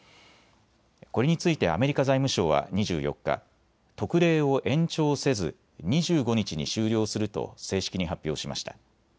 これについてアメリカ財務省は２４日、特例を延長せず２５日に終了すると正式に発表しました。